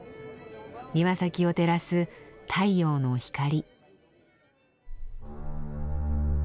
庭先を照らす太陽の光。